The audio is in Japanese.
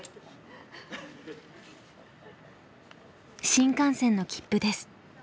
新幹線の切符です。